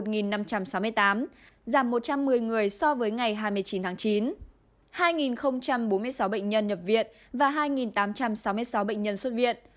giảm một trăm một mươi người so với ngày hai mươi chín tháng chín hai bốn mươi sáu bệnh nhân nhập viện và hai tám trăm sáu mươi sáu bệnh nhân xuất viện